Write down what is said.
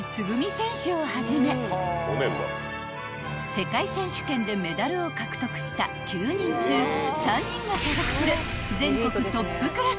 ［世界選手権でメダルを獲得した９人中３人が所属する全国トップクラスの大学］